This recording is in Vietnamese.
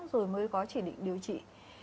rồi mới có chỉ định điều trị